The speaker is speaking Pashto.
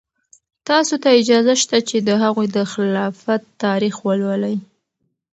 تاسو ته اجازه شته چې د هغوی د خلافت تاریخ ولولئ.